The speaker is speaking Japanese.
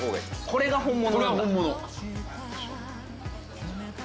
これが本物。